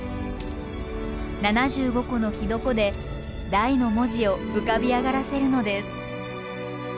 ７５個の火床で「大」の文字を浮かび上がらせるのです。